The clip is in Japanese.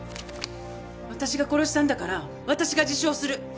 私が殺したんだから私が自首をする！